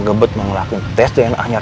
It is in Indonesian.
gue butuh ngeyakinin hati gue sendiri